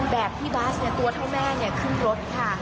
แบบพี่บัสเนี่ยตัวเท่าแม่เนี่ยครึ่งรถค่ะ